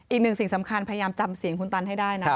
สิ่งสำคัญพยายามจำเสียงคุณตันให้ได้นะ